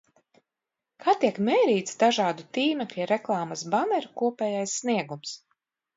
Kā tiek mērīts dažādu tīmekļa reklāmas baneru kopējais sniegums?